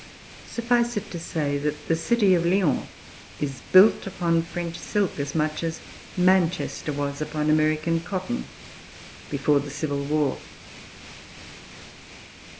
Suffice it to say, that the city of Lyons is built upon French silk as much as Manchester was upon American cotton before the civil war.